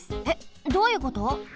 えっどういうこと？